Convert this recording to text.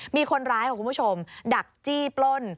มีคนร้ายของคุณผู้ชมดักจี้ปล้น